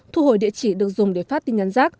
thu hồi địa chỉ được dùng để phát tin nhắn rác